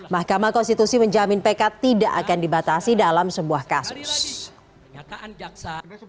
mahkamah konstitusi menjamin pk tidak akan dibatasi dalam sebuah kasus